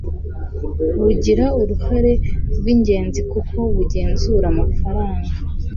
bugira uruhare rw ingenzi kuko bugenzura amafaranga